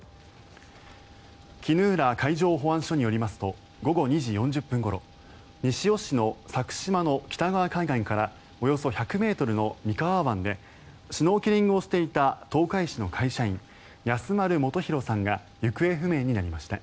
衣浦海上保安署によりますと午後２時４０分ごろ西尾市の佐久島の北側海岸からおよそ１００ｍの三河湾でシュノーケリングをしていた東海市の会社員安丸元浩さんが行方不明になりました。